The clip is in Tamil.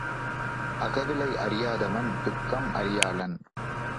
அகவிலை அறியாதவன் துக்கம் அறியாளன்.